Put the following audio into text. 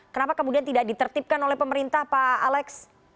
kenapa kemudian tidak ditertipkan oleh pemerintah pak alex